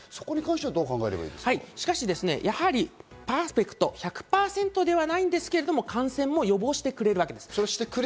どう考しかしですね、パーフェクト、１００％ではないんですけど感染も予防してくれるわけです。